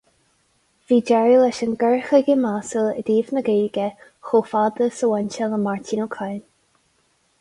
Bhí deireadh leis an gcur chuige measúil i dtaobh na Gaeilge, chomh fada agus a bhain sé le Máirtín Ó Cadhain.